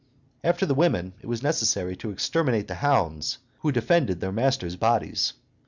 After the women, it was necessary to exterminate the hounds who defended their masters' bodies.